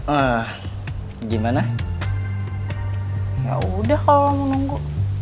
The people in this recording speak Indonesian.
ah gimana ya udah kalau menunggu